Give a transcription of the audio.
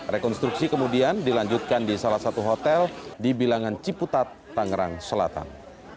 rekonstruksi kemudian dilanjutkan di salah satu hotel di bilangan ciputat tangerang selatan